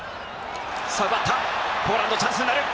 ポーランド、チャンスになる！